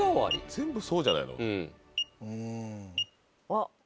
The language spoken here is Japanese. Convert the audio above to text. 全部そうじゃないの？